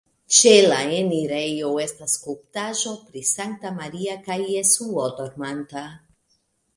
Ĉe la enirejo estas skulptaĵo pri Sankta Maria kaj Jesuo dormanta.